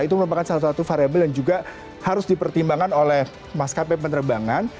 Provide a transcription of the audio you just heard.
itu merupakan salah satu variable yang juga harus dipertimbangkan oleh maskapai penerbangan